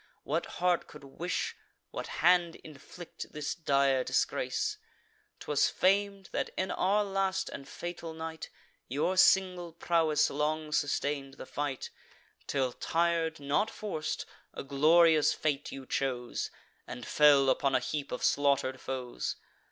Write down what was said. What heart could wish, what hand inflict, this dire disgrace? 'Twas fam'd, that in our last and fatal night Your single prowess long sustain'd the fight, Till tir'd, not forc'd, a glorious fate you chose, And fell upon a heap of slaughter'd foes.